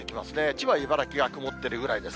千葉、茨城が曇ってるぐらいです。